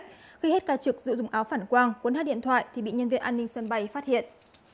khi hết ca trực giữ dùng áo phản quang cuốn hát điện thoại thì bị nhân viên an ninh sân bay phát hiện